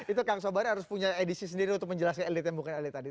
itu kang sobari harus punya edisi sendiri untuk menjelaskan elit yang bukan elit tadi